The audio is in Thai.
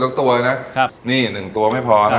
สปาเกตตี้ปลาทู